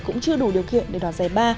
cũng chưa đủ điều kiện để đoạt giải ba